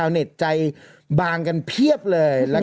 คือชอบภาพมากเลยเบอร์ด้วย